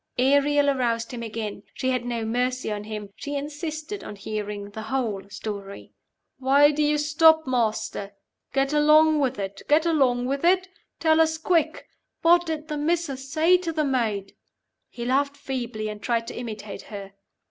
Ariel aroused him again. She had no mercy on him; she insisted on hearing the whole story. "Why do you stop, Master? Get along with it! get along with it! Tell us quick what did the Missus say to the Maid?" He laughed feebly, and tried to imitate her.